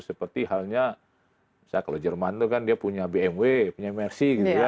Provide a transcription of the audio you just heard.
seperti halnya misalnya kalau jerman itu kan dia punya bmw punya mercy gitu ya